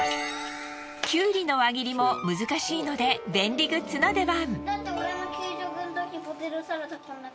きゅうりの輪切りも難しいので便利グッズの出番。